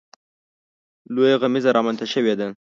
لویه غمیزه رامنځته شوې ده.